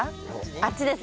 あっちに？